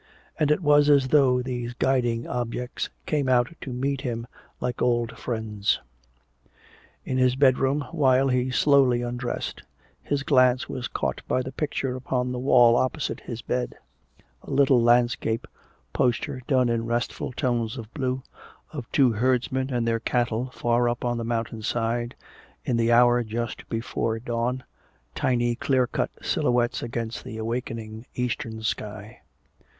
And it was as though these guiding objects came out to meet him like old friends. In his bedroom, while he slowly undressed, his glance was caught by the picture upon the wall opposite his bed, a little landscape poster done in restful tones of blue, of two herdsmen and their cattle far up on a mountainside in the hour just before the dawn, tiny clear cut silhouettes against the awakening eastern sky.